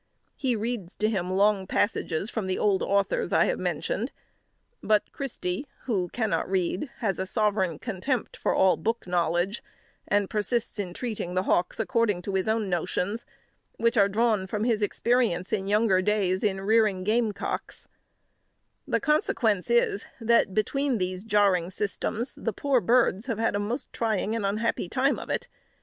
He reads to him long passages from the old authors I have mentioned; but Christy, who cannot read, has a sovereign contempt for all book knowledge, and persists in treating the hawks according to his own notions, which are drawn from his experience, in younger days, in rearing of game cocks. [Illustration: Physicking the Hawks] The consequence is, that, between these jarring systems, the poor birds have had a most trying and unhappy time of it.